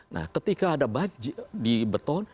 nah ketika ada di beton